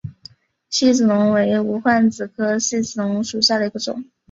细子龙为无患子科细子龙属下的一个种。